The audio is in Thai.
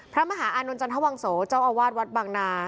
พระมหาอานนท์จันทวังโสเจ้าอาวาสวัดบางนา